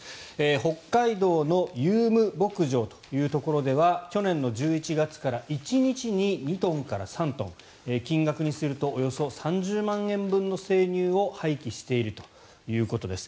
北海道の友夢牧場というところでは去年１１月から１日に２トンから３トン金額にするとおよそ３０万円分の生乳を廃棄しているということです。